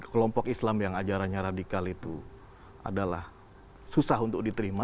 kelompok islam yang ajarannya radikal itu adalah susah untuk diterima